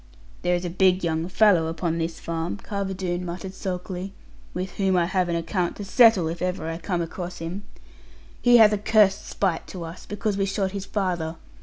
'There is a big young fellow upon this farm,' Carver Doone muttered sulkily, 'with whom I have an account to settle, if ever I come across him. He hath a cursed spite to us, because we shot his father.